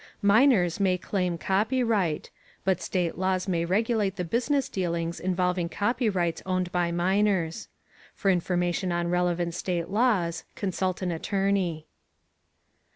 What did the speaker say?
+ Minors may claim copyright, but state laws may regulate the business dealings involving copyrights owned by minors. For information on relevant state laws, consult an attorney.